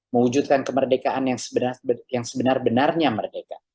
mewujudkan kemerdekaan yang sebenar benarnya merdeka